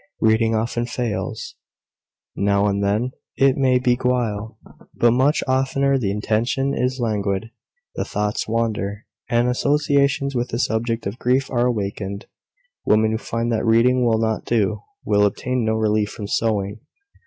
Reading often fails. Now and then it may beguile; but much oftener the attention is languid, the thoughts wander, and associations with the subject of grief are awakened. Women who find that reading will not do, will obtain no relief from sewing.